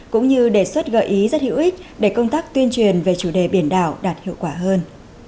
cũng như đề xuất gợi ý rất hữu ích để công tác tuyên truyền về chủ đề biển đảo đạt hiệu quả hơn